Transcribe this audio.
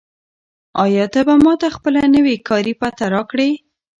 آیا ته به ماته خپله نوې کاري پته راکړې؟